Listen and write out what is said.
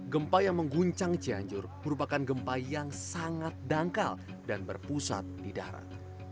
gempa yang mengguncang cianjur merupakan gempa yang sangat dangkal dan berpusat di darat